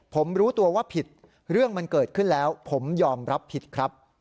ผมรู้ตัวว่าผิดเรื่องมันเกิดขึ้นแล้วผมยอมรับผิดครับ